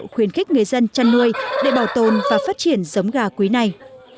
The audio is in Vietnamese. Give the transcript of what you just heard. khuyến khích người dân chăn nuôi để bảo tồn và phát triển giống gà quý này